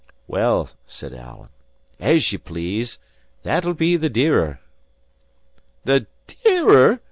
"Well," says Alan, "as ye please; that'll be the dearer." "The dearer?"